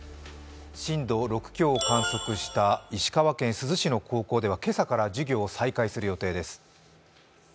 震度６強を観測した石川県珠洲市の高校では今朝から授業を再開する予定です。